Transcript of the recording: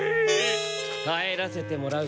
帰らせてもらう。